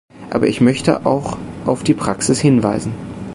Aber ich möchte auch auf die Praxis hinweisen.